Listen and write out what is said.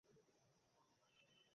আসল জিনিস তো কয়লা।